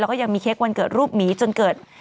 แล้วก็ยังมีเค้กวันเกิดรูปหมีจนเกิด